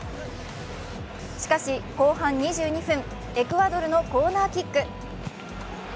しかし、後半２２分、エクアドルのコーナーキック。